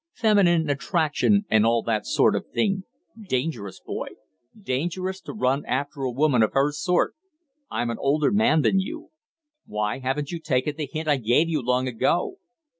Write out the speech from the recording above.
Feminine attraction and all that sort of thing. Dangerous, Boyd! Dangerous to run after a woman of her sort. I'm an older man than you. Why haven't you taken the hint I gave you long ago?"